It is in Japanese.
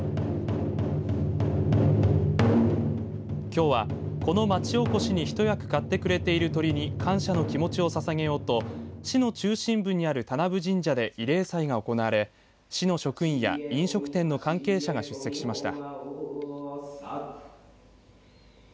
きょうはこの街おこしに一役買ってくれている鶏に感謝の気持ちをささげようと市の中心部にある田名部神社で慰霊祭が行われ市の職員や飲食店の関係者が出席しました。